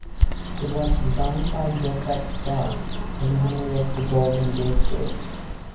It was designed by Joseph Strauss, engineer of the Golden Gate Bridge.